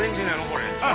これ。